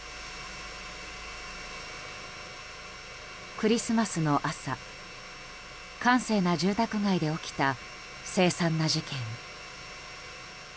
クリスマスの朝閑静な住宅街で起きた凄惨な事件。